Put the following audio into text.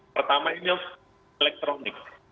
pertama ini elektronik